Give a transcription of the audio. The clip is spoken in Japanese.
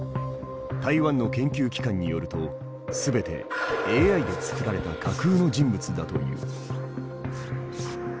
台湾の研究機関によると全てＡＩで作られた架空の人物だという。